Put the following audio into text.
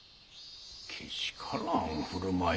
けしからん振る舞い？